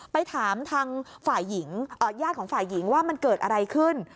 ไปถามทางฝ่ายหญิงญาติของฝ่ายหญิงว่ามันเกิดอะไรขึ้น